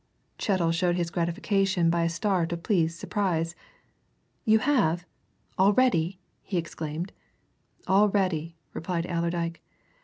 Chettle showed his gratification by a start of pleased surprise. "You have already!" he exclaimed. "Already!" replied Allerdyke.